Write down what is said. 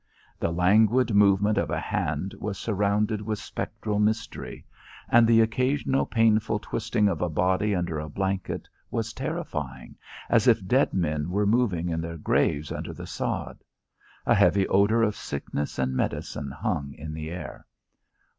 The languid movement of a hand was surrounded with spectral mystery, and the occasional painful twisting of a body under a blanket was terrifying, as if dead men were moving in their graves under the sod. A heavy odour of sickness and medicine hung in the air.